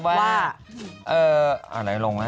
อะไรลงละ